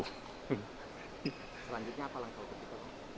selanjutnya apa langkah untuk kita pak